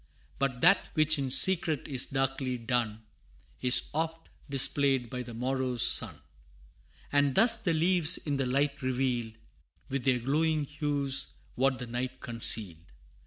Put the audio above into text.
But that which in secret is darkly done, Is oft displayed by the morrow's sun; And thus the leaves in the light revealed, With their glowing hues what the night concealed.